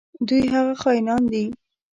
دوی هغه خاینان دي.